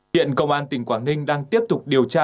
hiện công an tỉnh quảng ninh đang tiếp tục điều tra